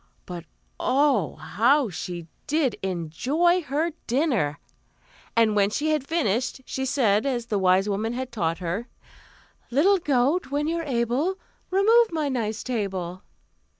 But oh, how she did enjoy her dinner! and when she had finished, she said, as the wise woman had taught her: "Little goat, when you're able, Remove my nice table."